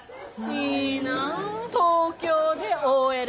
いいなぁ東京でＯＬ！